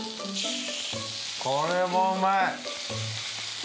これもうまい！